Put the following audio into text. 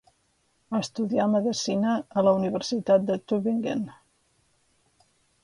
Estudià medicina a la Universitat de Tübingen.